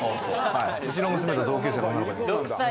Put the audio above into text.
うちの娘と同級生の女の子。